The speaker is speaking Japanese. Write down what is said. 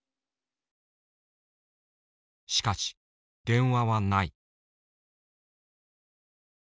しかし電話はない。